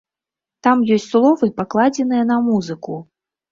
Там ёсць словы, пакладзеныя на музыку.